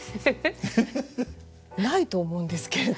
ないと思うんですけれど。